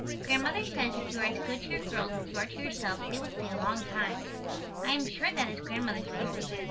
Grandmother says if you are as good to your girls as you are to yourself they will stay a long time. I am sure that is Grandmother's rule.